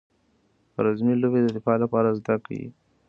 رزمي لوبې د دفاع لپاره زده کیږي.